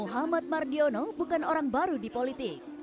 muhammad mardiono bukan orang baru di politik